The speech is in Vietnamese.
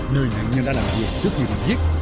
nơi nạn nhân đã làm việc trước khi bị giết